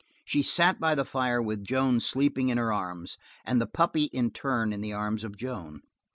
She sat by the fire with Joan sleeping in her arms, and the puppy in turn in the arms of Joan.